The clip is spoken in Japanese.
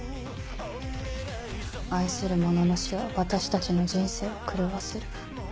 愛する者の死は私たちの人生を狂わせる。